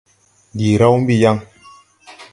Ndi raw mbi yaŋ.